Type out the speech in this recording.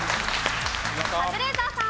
カズレーザーさん。